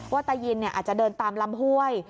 ว่าตายินเนี่ยอาจจะเดินตามลำห้วย